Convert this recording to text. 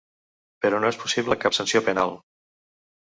Però no és possible cap sanció penal.